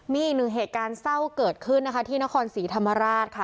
มีอีกหนึ่งเหตุการณ์เศร้าเกิดขึ้นนะคะที่นครศรีธรรมราชค่ะ